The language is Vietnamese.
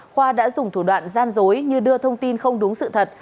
khoa đã dùng thủ đoạn gian dối như đưa thông tin không đúng sự thật